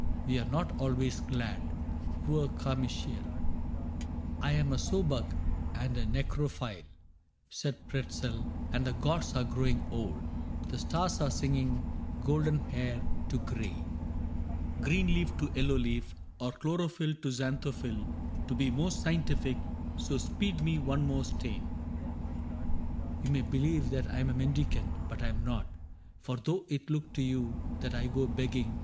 We are not always glad ... Poor Carmichael !I am a sowbug and a necrophile,' Said Pretzel, * and the gods are growing old j The stars are singing Golden hair to gray^ 38 CAPTAIN CRAIG Green leaf to yellow leaf — or chlorophy 1 To xanthophyl, to be more scientific, — So speed me one more stein. You may believe That I 'm a mendicant, but I am not : For though it look to you that I go begging.